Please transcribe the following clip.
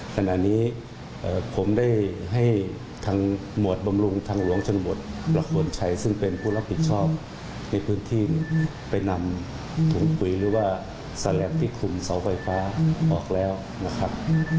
ขณะนี้ผมได้ให้ทางหมวดบำรุงทางหลวงชนบทประโคนชัยซึ่งเป็นผู้รับผิดชอบในพื้นที่ไปนำถุงปุ๋ยหรือว่าแสลับที่คุมเสาไฟฟ้าออกแล้วนะครับ